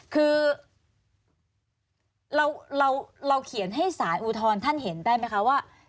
คือเราเขียนให้สารอุทธรณ์ท่านเห็นได้ไหมคะว่า